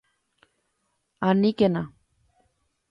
¡Aníkena!